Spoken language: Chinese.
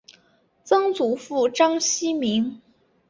曾祖父章希明。